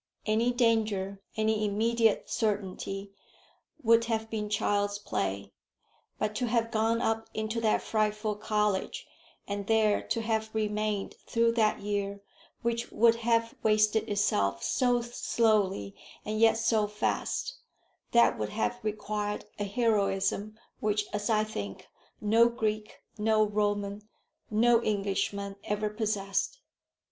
Any danger, any immediate certainty, would have been child's play; but to have gone up into that frightful college, and there to have remained through that year, which would have wasted itself so slowly, and yet so fast, that would have required a heroism which, as I think, no Greek, no Roman, no Englishman ever possessed."